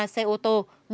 ba xe ô tô